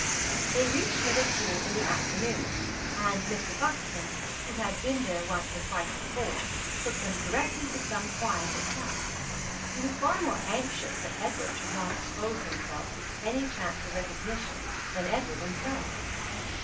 They reached Liverpool in the afternoon; and Mr. Buxton, who had been there once or twice before, took them directly to some quiet hotel. He was far more anxious that Edward should not expose himself to any chance of recognition than Edward himself.